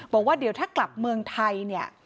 บอกว่าเดี๋ยวถ้ากลับเมืองไทยเนี่ย